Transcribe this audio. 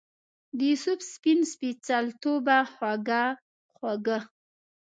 دیوسف سپین سپیڅلتوبه خوږه خوږه